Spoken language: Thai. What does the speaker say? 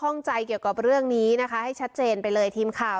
ข้องใจเกี่ยวกับเรื่องนี้นะคะให้ชัดเจนไปเลยทีมข่าว